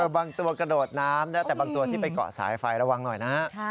บางตัวกระโดดน้ำนะแต่บางตัวที่ไปเกาะสายไฟระวังหน่อยนะฮะ